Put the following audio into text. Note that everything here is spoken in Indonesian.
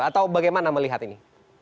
atau bagaimana melihat ini